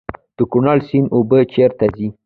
د کونړ سیند اوبه چیرته ځي؟